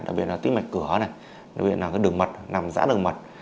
đặc biệt là tí mạch cửa đặc biệt là đường mật nằm giã đường mật